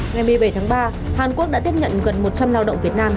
ngày một mươi bảy tháng ba hàn quốc đã tiếp nhận gần một trăm linh lao động việt nam